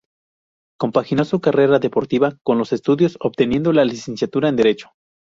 Compaginó su carrera deportiva con los estudios, obteniendo la licenciatura en Derecho.